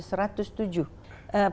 perusahaan ini sudah meningkat